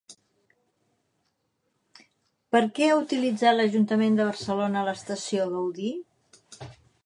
Per què ha utilitzat l'Ajuntament de Barcelona l'estació Gaudí?